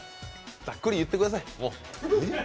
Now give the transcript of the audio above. ざっくり言ってください、もう。